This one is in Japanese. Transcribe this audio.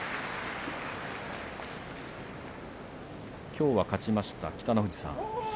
きょうは勝ちました北の富士さん。